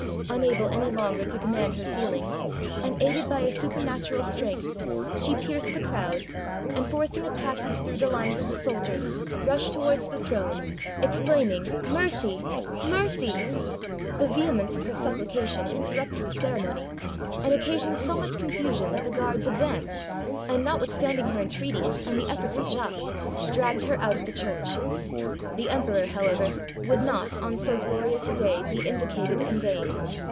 Unable any longer to command her feelings, and, aided by a supernatural strength, she pierced the crowd, and, forcing a passage through the lines of the soldiers, rushed towards the throne, exclaim ing, "Mercy! mercy!" The vehemence of her supplica tion interrupted the ceremony, and occasioned so much confusion that the guards advanced, and, notwithstand ing her entreaties and the efforts of Jacques, dragged her out of the church. The emperor, however, would not, on so glorious a day, be invocated in vain.